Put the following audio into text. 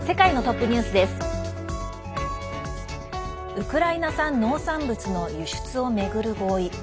ウクライナ産農産物の輸出を巡る合意。